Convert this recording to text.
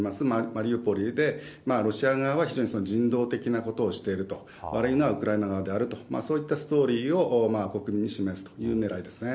マリウポリで、ロシア側は非常に人道的なことをしていると、悪いのはウクライナ側であると、そういったストーリーを国民に示すというねらいですね。